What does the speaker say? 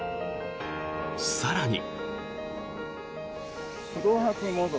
更に。